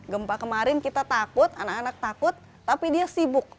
gempa kemarin kita takut anak anak takut tapi dia sibuk